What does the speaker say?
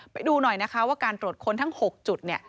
ไปดูหน่อยนะคะว่าการตรวจค้นทั้ง๖จุดเนี่ย